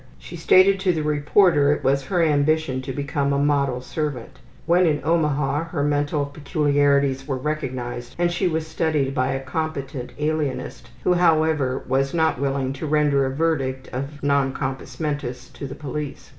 She stated to the reporter it was her ambition to become a model servant. When in Omaha her mental peculiarities were recognized and she was studied by a competent alienist who, however, was not willing to render a verdict of non compos mentis to the police.